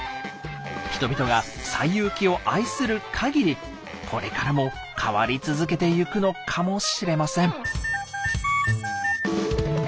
人々が「西遊記」を愛するかぎりこれからも変わり続けてゆくのかもしれません。